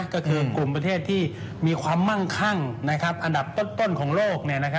ก็คือกลุ่มประเทศที่มีความมั่งคั่งอันดับต้นของโลก